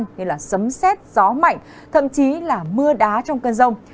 như sấm xét gió mạnh thậm chí là mưa đá trong cơn rông